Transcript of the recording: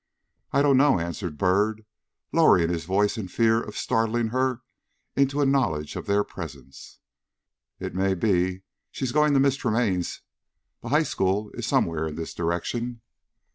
"I don't know," answered Byrd, lowering his voice in the fear of startling her into a knowledge of their presence. "It may be she is going to Miss Tremaine's; the High School is somewhere in this direction."